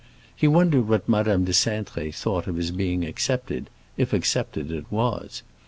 He wondered what Madame de Cintré thought of his being accepted, if accepted it was.